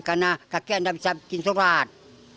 karena kakek tidak bisa bikin surat